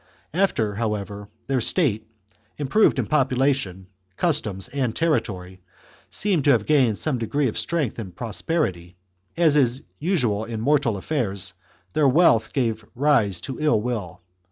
After, however, their state, improved in population, customs, and territory', seemed to have gained some degree of strength and prosperity, as is usual in mortal affairs, their wealth gave rise to ill will.